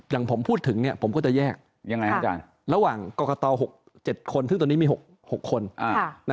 อย่างผมพูดถึงเนี่ยผมก็จะแยกระหว่างกรกฎ๗คนซึ่งตอนนี้มี๖คน